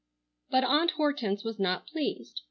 But Aunt Hortense was not pleased.